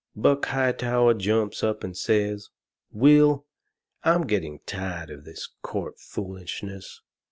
Buck Hightower jumps up and says: "Will, I'm getting tired of this court foolishness.